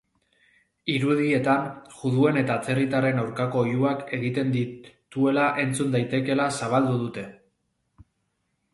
Irudietan juduen eta atzerritarren aurkako oihuak egiten dituela entzun daitekeela zabaldu dute.